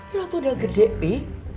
lo tuh udah gede pi